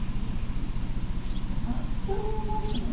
あっという間ですね。